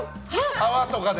泡とかで。